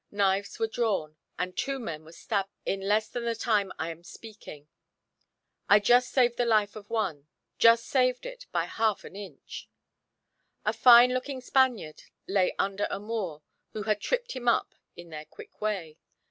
Knives were drawn, and two men were stabbed in less than the time I am speaking. I just saved the life of one, just saved it by half an inch. A fine looking Spaniard lay under a Moor, who had tripped him up in their quick way.